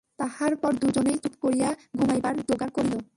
তাহার পর দুজনেই চুপ করিয়া ঘুমাইবার জোগাড় করিল।